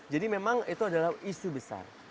jadi memang itu adalah isu besar